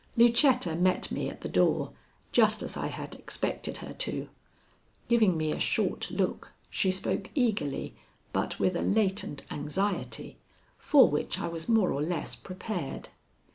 Lucetta met me at the door just as I had expected her to. Giving me a short look, she spoke eagerly but with a latent anxiety, for which I was more or less prepared.